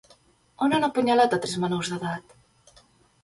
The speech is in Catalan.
On han apunyalat a tres menors d'edat?